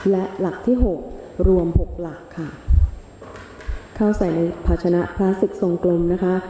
และหลักที่หกรวมหกหลักค่ะเข้าใส่ในภาชนะพลาสติกทรงกลมนะคะ